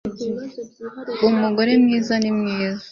Umugore mwiza ni mwiza